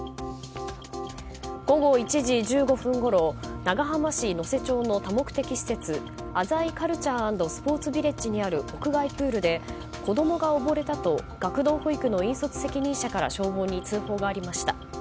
午後１時１５分ごろ長浜市野瀬町の多目的施設あざいカルチャー＆スポーツビレッジにある屋外プールで子供がおぼれたと学童保育の引率責任者から消防に通報がありました。